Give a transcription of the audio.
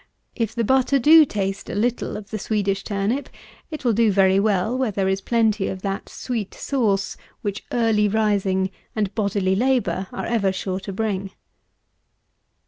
If the butter do taste a little of the Swedish turnip, it will do very well where there is plenty of that sweet sauce which early rising and bodily labour are ever sure to bring.